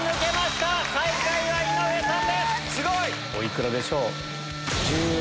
すごい！お幾らでしょう？